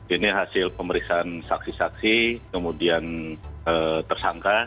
ini hasil pemeriksaan saksi saksi kemudian tersangka